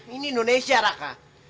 ini indonesia raka